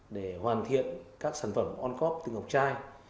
để hoàn thiện các sản phẩm on corp từ ngọc chai